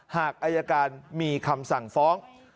หากอายการมีคำสั่งฟ้อง